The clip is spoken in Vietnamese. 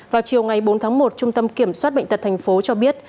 vào chiều ngày bốn tháng một trung tâm kiểm soát bệnh tật thành phố cho biết